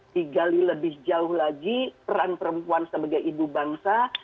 digali lebih jauh lagi peran perempuan sebagai ibu bangsa